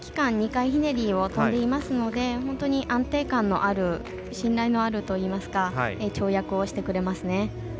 ２回ひねりを跳んでいますので本当に安定感のある信頼のあるといいますか跳躍をしてくれますね。